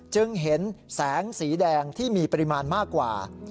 จึงเห็นแสงสีแดงที่มีปริมาณมากกว่า